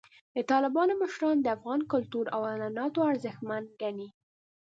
د طالبانو مشران د افغان کلتور او عنعناتو ارزښتمن ګڼي.